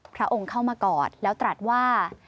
พระองค์เข้ามากอดแล้วตรัสว่า